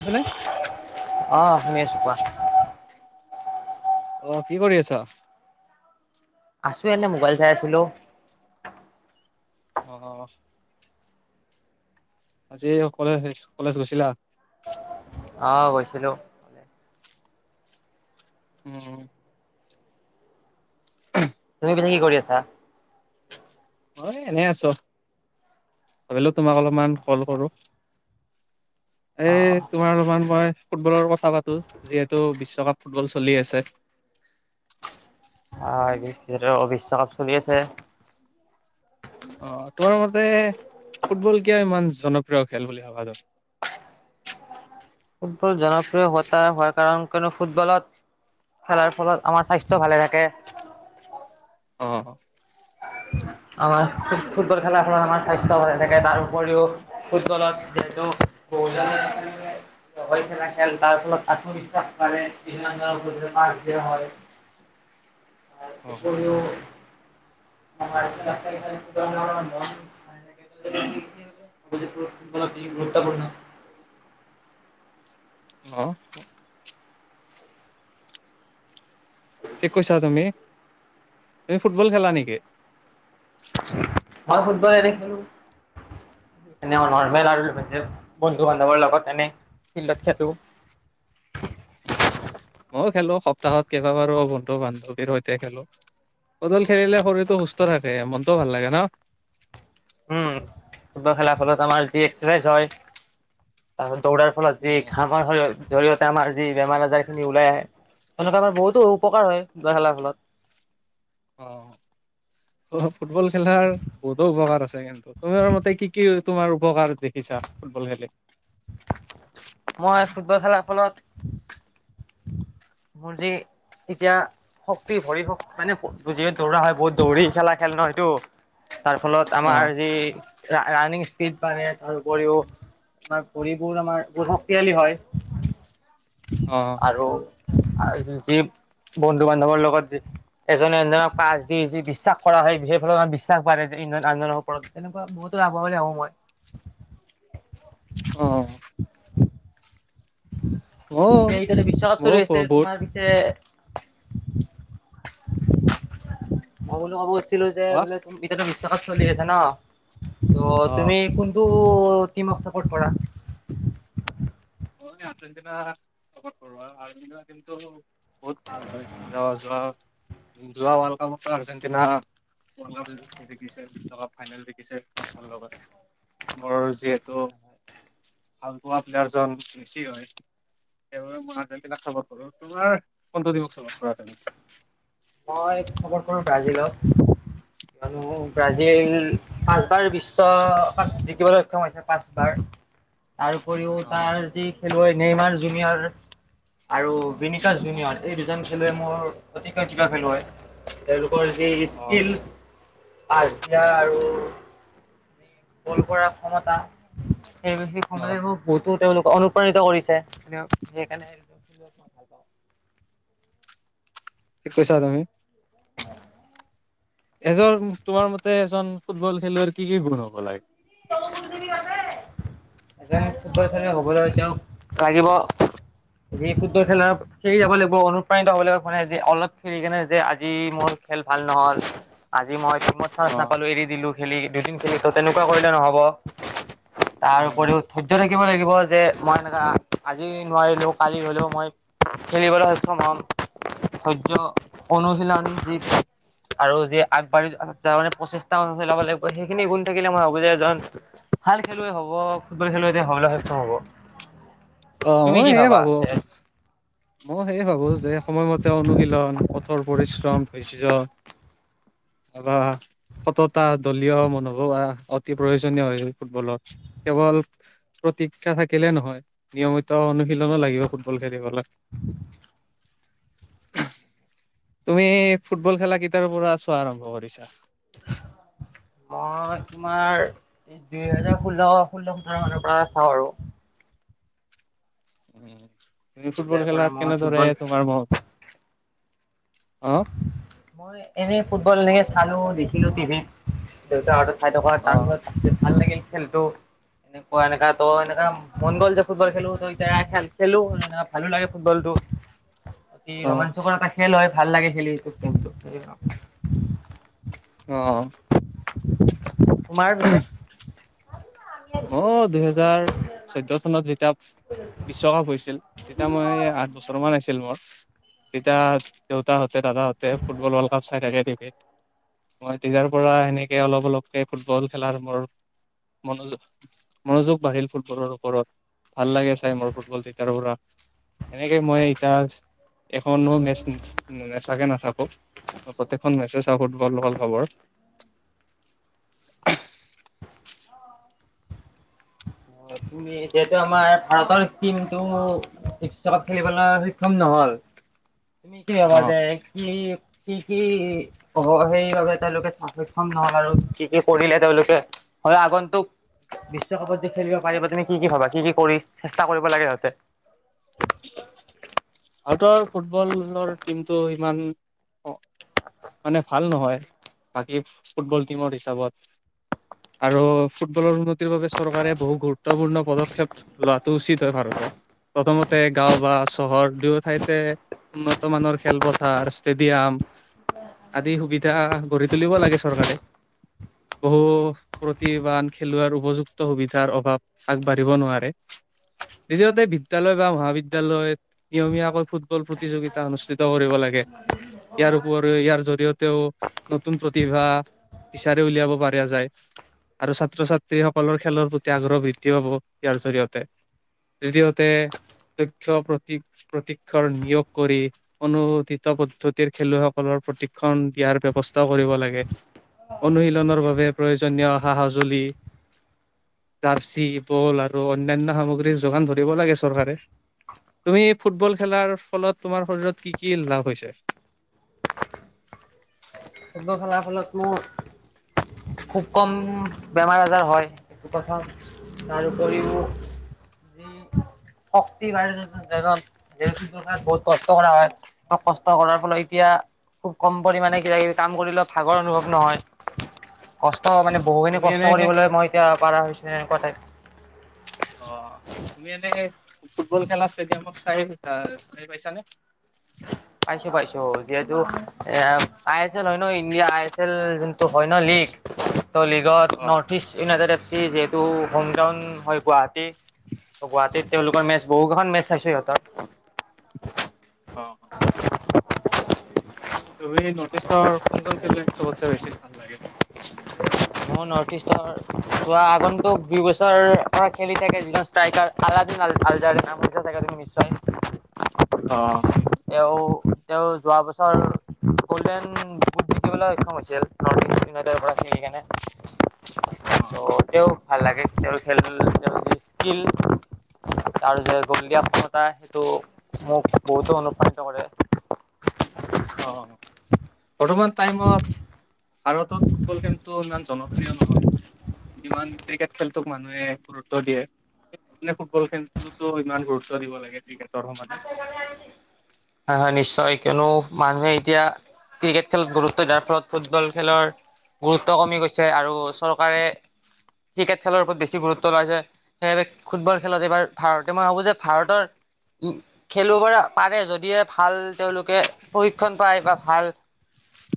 আছেনে অ', শুনি আছো কোৱা। অহ কি কৰি আছ আছো এনে মোবাইল চাই আছিলো অ আজি এই কলেজ কলেজ গৈছিলা অ গৈছিলো কলেজ উম তুমি পিছে কি কৰি আছা মই এনেই আছো। ভাবিলো তোমাক অলপমান কল কৰো। এই, অঁ তোমাৰ অলপমান মই ফুটবলৰ কথা পাতো, যিহেতু বিশ্বকাপ ফুটবল চলি আছে। অ', যিহেতু বিশ্বকাপ চলি আছে। অ', তোমাৰ মতে, ফুটবল কিয় ইমান জনপ্ৰিয় খেল বুলি ভাবা তুমি? ফুটবল জনপ্ৰিয় হোৱাতা হোৱাৰ কাৰণ কিয়নো ফুটবলত খেলাৰ ফলত আমাৰ স্বাস্থ্য ভালে থাকে অ আমাৰ ফুটবল খেলাৰ ফলত আমাৰ স্বাস্থ্য ভালে থাকে তাৰ উপৰিও ফুটবলত যিহেতু [unintelligible] [unintelligible] খেল তাৰ ফলত আত্মবিশ্বাস বাঢ়ে [unintelligible] [unintelligible] অ আৰু কো ম গুৰুত্বপূৰ্ণ [unintelligible] [inaudible] হ কি কৈছা তুমি তুমি ফুটবল খেলা নেকি মই ফুটবলে এনে খেলো এ নৰ্মেল আৰু বন্ধু বান্ধৱৰ লগত এনে ফিল্ডত খেলো [inaudible] উ উম ময়ো খেলো সপ্তাহত কেইবাবাৰো বন্ধু বান্ধৱীৰ সৈতে খেলো ফুটবল খেলিলে শৰীৰতটো সুস্থ থাকে মনটোও ভাল লাগে ন উম ফুটবল খেলাৰ ফলত আমাৰ যি এক্সাৰচাইজ হয়াৰ দৌৰাৰ ফলত যিামৰ জৰিয়তে আমাৰ যি বেমাৰ আজাৰ খিনি ওলাই আহে এনেকুৱা আমাৰ বহুতো উপকাৰ হয় গোৱা খেলাৰ ফলত অ অ ফুটবল খেলাৰ বহুতো উপকাৰ আছে কিন্তু তুমাৰ মতে কি কি তোমাৰ উপকাৰ দেখিছো আ ফুটবল খেলে মই ফুটবল খেলাৰ ফলত [inaudible] মজে এতিয়া শক্তি ভৰিক্তি মানে যি দৌৰা হয় বহুত দৌৰি খেলা খেল ন সেইটো তাৰ ফলত আমাৰ অ', যি ৰা ৰানিং স্পীড বাৰে তাৰ উপৰিও আমাৰ ঘুৰিবোৰ আমাৰ ব তিয়ালি হয় অ'। আৰু আৰ যি যিব বন্ধু বান্ধৱৰ লগত যি এজনে এনজনক পাছ দি যি বিশ্বাস কৰা হয় বিশেইফালৰ বিশ্বাস পাৰে যে আনজনৰ ওপৰত তেনেকুৱা বহুত [unintelligible] অ। পিছে এতিয়া ত ময়ো বিশ্বকাপ ময়ো চলি আছে বহুত তোমাৰ পিছে [unintelligible] ম বোলো কবোজ ছিলো যে অ', বোলে এতিয়াতো বিশ্বকাপ চলি আছে ন, ত অ'। তুমি কোনটো অ' টিমক চাপৰ্ট কৰা। আচন্তনাটো [unintelligible] বহুত ভাল হয় যোৱা যোৱা যোৱা ৱৰ্ল্ড কাপৰ পৰা আৰ্জেণ্টিনা ৱৰ্ল্ড কাপ জিকিছে ফাইনেল জিকিছে পচ লগত। মোৰ যিহেতু ভাল পোৱা প্লেয়াৰজন মেছি হয়। সেইবাবে মই আৰ্জেণ্টিনাক চাৰ্পট কৰো, তোমাৰ কোনটো টিমক চাৰ্পট কৰা? মই খবৰ কৰো ব্ৰাজিলক, কিয়নো ব্ৰাজিল তাৰ বিশ্ব কাপ জিকিবলৈ সক্ষম হৈছে পাঁচবাৰ তাৰ উপৰিও অ', তাৰ যি খেলুৱৈ নেইমাৰ জুমিয়াৰ আৰু ভনিকশ জুনিয়ৰ এই দুজন খেলুৱে মোৰ অতিকৈ কিবা খেলুৱৈ, তেওঁলোক কৰ যি অ', স্কিল পাছ দিয়া আৰু যি গোল কৰাৰ ক্ষমতা সেই বিশেষ সময়াজে অ', সুখ বহুতো তেওঁলোক অনুপ্ৰাণিত কৰিছে [unintelligible] সেইকাৰণে [unintelligible] ভাল পাওঁ। কি কৈছা তুমি? হয় [unintelligible] এজন তোমাৰ মতে এজন ফুটবল খেলুৱৈৰ কি কি গুণ হব লাগে? [unintelligible] এবাৰ ফুটবল খেলুঐ হ'বলৈ তেওঁক লাগিব সি ফুটবল খেলৰ খেলি যাব লাগিব, অনুপ্ৰাণিত হ'ব লাগিব, মানে অলপ খেৰি কেনে যে আজি মোৰ খেল ভাল নহল, আজি মই মই চান্স অ'। নাপালো এৰি দিলো খেলি, দুদিন খেলি তেনেকুৱা কৰিলে নহব। তাৰ উম, উপৰিও ধৈৰ্য থা থিকিব লাগিব, যে মই এনেকুৱা আজি নোৱাৰিলো কালি হলেও মই খেলিবলৈ সক্ষম হম, সহ্য অনুশীলন যি আৰু যি আগবাঢ়ি যাব মানে পচিছটা মান আছে লব লাগিব, সেইখিনি গুণ থাকিলে মই ভাবো যে এজন ভাল খেলুৱৈ হব, ফুটবল খেলুৱৈ এতিয়া হবলৈ সক্ষম হব। অ' মই তুমি কি সেয়ে ভাবা? ভাবো। যে মই সেয়ে ভাবো। যে সময়মতে অনুশীলন কঠোৰ পৰিশ্ৰম অভাক [unintelligible] সততা, দলীয় মনোভাৱ অতি প্ৰয়োজনীয় হয় ফুটবলত, কেৱল তিকা থাকিলেও নহয়, নিয়মিতা অনুশীলনো লাগিব ফুটবল খেলিবলৈ। [unintelligible] তুমি ফুটবল খেলা কেতিয়াৰ পৰা চোৱা আৰম্ভ কৰিছা? [unintelligible] মই তোমাৰ এই দুই হেজাৰ ষোল্ল ষোল্ল সোতৰ মানৰ পৰা চাওঁ আৰু। তুমি ফুটবল তেতিয়াৰ পৰা খেলাত মই কেনে দৰে ফুটবল তোমাৰ মন হ' মই এনেই ফুটবল এনেকে চালো দেখিলো টিভিত দেউতাহঁতে চাই থকা, অ'। তাৰপিছত ভাল লাগিল খেলতো। এনেকুৱা এনেকা ত এনেকা মন গ'ল যে ফুটবল খেলো ত এতিয়া খেলো এ ভালো লাগে ফুটবল টো। এক [unintelligible] ই অ', ৰোমাঞ্চকৰ এটা খেল হয়, ভাল লাগে খেলি, এইটো টাইমটো অ' তোমাৰ পিছে মইয়ো দুহেজাৰ চৈধ্য চনত যেতিয়া বিশ্বকাপ হৈছিল তেতিয়া মই আঠ বছৰ মান আছিল মোৰ। তেতিয়া দেউতা হঁতে দাদা হঁতে ফুটবল ৱৰ্ল্ড কাপ চাই থাকে, ক্ৰিকেট মই তেতিয়াৰ পৰা সেনেকে অলপ অলপকে ফুটবল খেলাৰ মোৰ মন মনোযোগ বাঢ়িল ফুটবলৰ ওপৰত, ভাল লাগে চাই মোৰ ফুটবল। তেতিয়াৰ পৰা এনেকে মই এতিয়া এখনো মেচ নোচোৱাকে নাথাকো। প্ৰত্যেকখন মেছে চাও ফুটবল হল খবৰ [unintelligible] অ তুমি এতিয়াতো আমাৰ ভাৰতৰ টিমটো বিশ্বকাপ খেলিবলৈ সক্ষম নহ'ল। [inaudible] তুমি কি অ ভাবা যে কি কি কি সেইবাবে তেওঁলোকে চক্ষম নহক আৰু কি কি কৰিলে তেওঁলোকে হয় আগন্তুক বিশ্বকাপত খেলিব পাৰিবা তুমি কি কি ভবা কি কি কৰি চেষ্টা কৰিব লাগে সিহঁতে ভাৰতৰ ফুটবল দলৰ টিমটো সিমান অ' মানে ভাল নহয় বাকী ফুটবল টিমৰ হিচাপত আৰু ফুটবলৰ উন্নতিৰ বাবে চৰকাৰে বহু গুৰুত্বপূৰ্ণ পদক্ষেপ লোৱাটো উচিত হয় ভাৰতৰ। প্ৰথমতে গাঁও বা চহৰ দুয়ো ঠাইতে উন্নত মানৰ খেলপথাৰ ষ্টেডিয়াম আদি সুবিধা গঢ়ি তুলিব লাগে চৰকাৰে। বহু প্ৰতিভান খেলুৱাৰ উপযুক্ত সুবিধাৰ অভাৱ আগবাঢ়িব নোৱাৰে দ্বিতীয়তে বিদ্যালয় বা মহাবিদ্যালয় নিয়মীয়াকৈ ফুটবল প্ৰতিযোগিতা অনুষ্ঠিত কৰিব লাগে। ইয়াৰ উপৰিও ইয়াৰ জৰিয়তেও নতুন প্ৰতিভা বিচাৰি উলিয়াব পাৰিয়া যায়। আৰু ছাত্ৰ-ছাত্ৰী সকলৰ খেলৰ প্ৰতি আগ্ৰহ বৃদ্ধি পাব ইয়াৰ জৰিয়তে। দ্বিতীয়তে দক্ষ প্ৰ তি প্ৰতিক্ষৰ নিয়োগ কৰি অনুমোদিত পদ্ধতিৰ খেলুৱৈসকলৰ প্ৰতিক্ষণ দিয়া দিয়াৰ ব্যৱস্থা কৰিব লাগে অনুশীলনৰ বাবে প্ৰয়োজনীয় সা-সজুলি জাৰ্চি বল আৰু অন্যান্য সামগ্ৰীৰ যোগান ধৰিব লাগে চৰকাৰে। তুমি ফুটবল খেলাৰ ফলত তোমাৰ শৰীৰত কি-কি লাভ হৈছে? [inaudible] ফুটবল খেলাৰ ফলত মোৰ খুব কম বেমাৰ আজাৰ হয় এইটো কথা তাৰ উপৰিও যি শক্তি [unintelligible] বহুত কষ্ট কৰা হয় ত' কষ্ট কৰাৰ ফলত এতিয়া খুব কম পৰিমাণে কিবা কিবি কাম কৰিলেও ভাগৰ অনুভৱ নহয়। [inaudible] কষ্ট অ মানে বহুখিনি তুমি এনে কষ্ট কৰিবলৈ মই এতিয়া পাৰা হৈছে এনেকুৱা টাইপ। অ, তুমি এনেকে ফুটবল খেলা ষ্টেডিয়ামত চাই অ, চাই পাইছা নে? পাইছো-পাইছো যিহেতু এ আই এছ এল হয় ন ইণ্ডিয়া আই এছ এল যোনটো হয় ন, [unintelligible] লীগ, ত' লীগত অ North East United F C যিহেতু হম টাউন হৈ পোৱাত টি, অ গুৱাহাটীত তেওঁলোকৰ মেচ বহুকেইখন মেচ চাইছো সিহঁতৰ। অ। তুমি নৰ্থ ইষ্টৰ কোনজন খেলোৱৈ চবতছে বেছি ভাল লাগে? মোৰ নৰ্থ ইষ্টৰ যোৱা আগন্তুক দুই বছৰৰ পৰা খেলি থাকে যিজন ষ্ট্ৰাইকাৰ আলা [unintelligible] নাম শুনিছা চাগে তুমি নিশ্চয়? অ শুনিছো। তেওঁ তেওঁ যোৱা বছৰ গল্ডেন বোট জিকিবলৈ সক্ষম হৈছিল নৰ্থ ইষ্ট ইউনাইটেডৰ পৰা খেলি কিনে, অ'। ত' তেওঁ ভাল লাগে তেওঁৰ খেল তেওঁলোকে স্কিল তাৰ যে গল দিয়া [unintelligible] সেইটো মোক বহুতো অনুপ্ৰাণিত কৰে। অ, বৰ্তমান টাইমত ভাৰতত ফুটবল খেলটো ইমান জনপ্ৰিয় নহয় যিমান ক্ৰিকেট খেলটোক মানুহে গুৰুত্ব দিয়ে। মানে ফুটবল খেলতোটোৰ ইমান গুৰুত্ব দিব লাগে, ঠিক আছে [inaudible] হা হয় নিশ্চয় কিয়নো মানুহে এতিয়া ক্ৰিকেট খেল গুৰুত্ব দিয়াৰ ফলত ফুটবল খেলৰ গুৰুত্ব কমি গৈছে আৰু চৰকাৰে ক্ৰিকেট খেলৰ ওপৰত বেছি গুৰুত্ব লাইছে সেইবাবে ফুটবল খেলত এইবাৰ ভাৰতে মই ভাবোঁ যে ভাৰতৰ উ, খেলিব পৰা পাৰে যদিহে ভাল তেওঁলোকে প্ৰশিক্ষণ পায় বা ভাল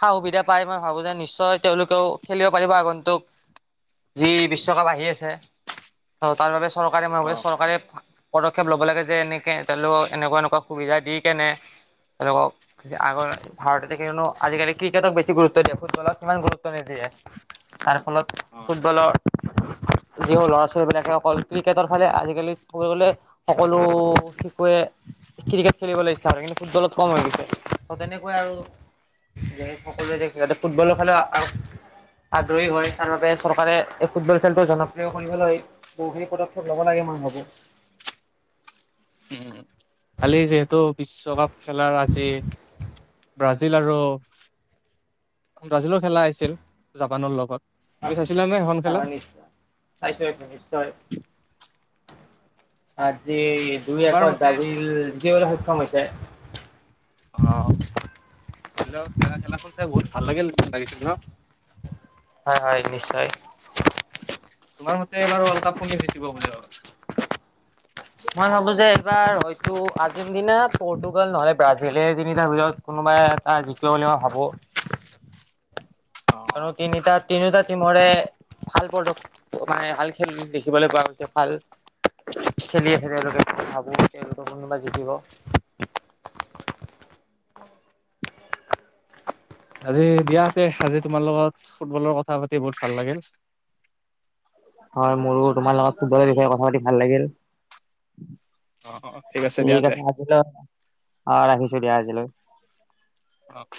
সা - সুবিধা পায়, মই ভাবো যে নিশ্চয় তেওঁলোকেও খেলিব পাৰিব আগন্তুক যি বিশ্বকাপ আহি আছে, ত তাৰ বাবে চৰ কাৰে মই অ ভাবো এ চৰকাৰে পদক্ষেপ ল'ব লাগে যে এনেকে তেওলোকক এনেকুৱা এনেকুৱা সুবিধা দি কেনে তেওঁলোকক আগৰ ভাৰততে কিয়নো আজিকালি ক্ৰিকেটক বেছি গুৰুত্ব দিয়ে ফুটবলত ইমান গুৰুত্ব নিদিয়ে। তাৰ ফলত অ ফুটবলৰ [inaudible] যি ল'ৰা ছোৱালী বিলাকে অকল ক্ৰিকেটৰ ফালে আজিকালি পৰিগলে সকলো বোৰে ক্ৰিকেট খেলিবলৈ ইচ্ছা কৰে, কিন্তু ফুটবলত কম হৈ গৈছে ত' তেনেকৈ আৰু সকলোৱে যাতে ফুটবলৰ খেলা আগ্ৰহী হয় তাৰ বাবে চৰকাৰে এই ফুটবল খেলতো জনপ্ৰিয় কৰিবলৈ বহুখিনি পদক্ষেপ লব লাগে। মই ভাবো। [inaudible] খালি যিহেতু বিশ্বকাপ খেলাৰ আজি ব্ৰাজিল আৰু ব্ৰাজিলৰ খেলা আহছিল জাপানৰ লগত। তুমি চাইছিলা নে সেইখন খেলা? হয় নিশ্চয় চাইছো এইটো নিশ্চয় আজি দুই তোমাৰ একত মতে ব্ৰাজিল জিকিবলৈ সক্ষম হৈছে। অ খ খেলা খেলাখন চাই বহুত ভাল লাগিল লাগিছিল ন? হয় হয় নিশ্চয় তোমাৰ মতে এইবাৰ ৱৰ্ডকাপ কোনে জকিব বুলি ভাবা? মই ভাবো যে এইবাৰ হয়তো আৰ্জেণ্টিনা পৰ্টোগাল নহলে ব্ৰাজিলে তিনিটাৰ ভিতৰত কোনোব কোনোবা এটাই জিকিব বুলি মই ভাবোঁ। ক অ', তিনিটা তিনিওতাত টিমৰে ভাল পদ মানে ভাল খেল দেখিবলে পোৱা গৈছে ভাল খেলি আছে তেওঁলোকে ভাবো তেওঁলোকৰ কোনোবা জিকিব। [unintelligible] আজি দিয়া তে আজি তোমাৰ লগত ফুটবলৰ কথা পাতি বহুত ভাল লাগিল। [inaudible] হয় মোৰো তোমাৰ লগত ফুটবলৰ বিষয়ে কথা পাতি ভাল লাগিল। অ', অ', দিয়া ঠিক তে। আছে আজিলৈ, অ' ৰাখিছোঁ দিয়া আজিলৈ। অ'